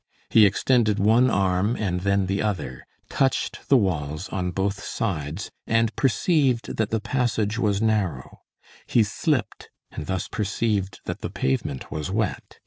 He extended one arm and then the other, touched the walls on both sides, and perceived that the passage was narrow; he slipped, and thus perceived that the pavement was wet.